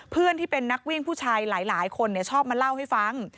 เพื่อนที่เป็นนักวิ่งผู้ชายหลายคนชอบมาเล่าให้ฟัง